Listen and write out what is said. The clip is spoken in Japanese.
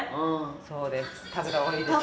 そうです。